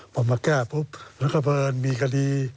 พอมาแก้พบเราก็เปิดมีคดี